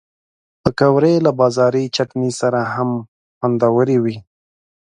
پکورې له بازاري چټني سره هم خوندورې وي